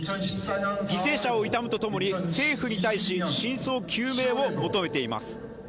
犠牲者を悼むとともに政府に対し真相究明を求めています。